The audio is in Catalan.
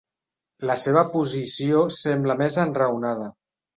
La seva posició sembla més enraonada.